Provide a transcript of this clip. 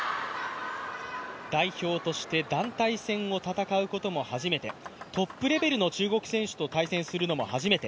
代表として団体戦を戦うことも初めて、トップレベルの中国選手と対戦するのも初めて。